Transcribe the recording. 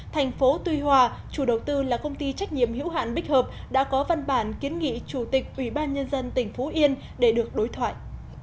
thành phố tuy hòa chủ đầu tư là công ty trách nhiệm hữu hạn bích hợp đã có văn bản kiến nghị chủ tịch ủy ban nhân dân tỉnh phú yên để được đối thoại